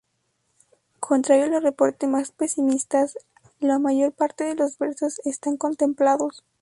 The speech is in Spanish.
Contrario a los reportes más pesimistas, la mayor parte de los versos están completos.